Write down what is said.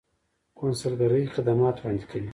کونسلګرۍ خدمات وړاندې کوي